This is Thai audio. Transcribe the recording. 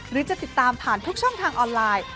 หรือจะติดตามผ่านทุกช่องทางออนไลน์